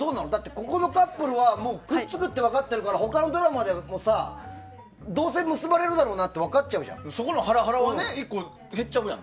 ここのカップルはくっつくって分かってるから他のドラマでもさどうせ結ばれるだろうなってそのハラハラ１個、減っちゃうじゃん。